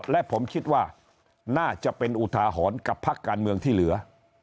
และผมคิดว่าน่าจะเป็นอุทาหรณ์กับพักการเมืองที่เหลือ